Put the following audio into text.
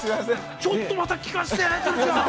◆ちょっとまた聞かせて、鶴ちゃん！